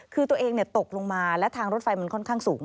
คือตัวเองตกลงมาและทางรถไฟมันค่อนข้างสูง